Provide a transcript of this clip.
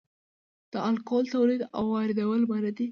د الکول تولید او واردول منع دي